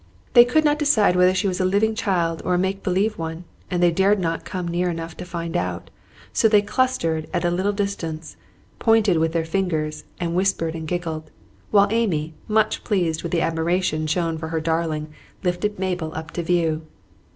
They could not decide whether she was a living child or a make believe one, and they dared not come near enough to find out; so they clustered at a little distance, pointed with their fingers, and whispered and giggled, while Amy, much pleased with the admiration shown for her darling, lifted Mabel up to view.